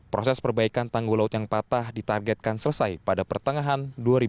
proses perbaikan tanggul laut yang patah ditargetkan selesai pada pertengahan dua ribu dua puluh